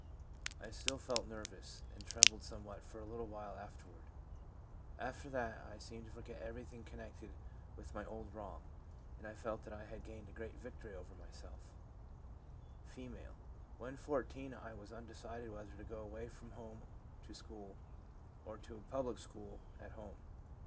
I still felt nervous, and trembled somewhat for a little while afterward. After that I seemed to forget everything connected with my old wrong, and I felt that I had gained a great victory over myself/ F. 'When 14, I was undecided whether to go away from home to school, or to public school at home.